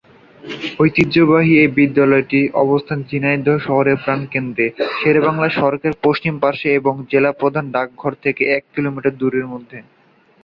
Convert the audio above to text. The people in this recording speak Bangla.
ঐতিহ্যবাহী এ বিদ্যালয়টির অবস্থান ঝিনাইদহ শহরের প্রাণকেন্দ্রে শেরেবাংলা সড়কের পশ্চিম পার্শ্বে এবং জেলার প্রধান ডাকঘর থেকে এক কিলোমিটার দূরত্বের মধ্যে।